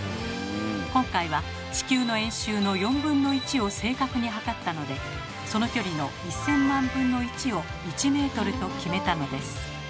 今回は地球の円周の４分の１を正確に測ったのでその距離の１，０００万分の１を１ｍと決めたのです。